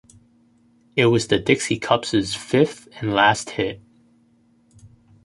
It was The Dixie Cups' fifth and last hit.